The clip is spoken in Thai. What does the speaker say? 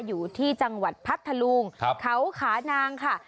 อยู่ที่จังหวัดพัทธลุงเขาขานางค่ะ